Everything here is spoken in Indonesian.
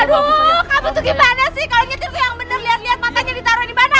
aduh kamu tuh gimana sih kalau nyetir tuh yang bener lihat lihat makanya ditaruh dimana